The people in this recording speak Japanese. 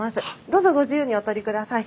どうぞご自由にお撮りください。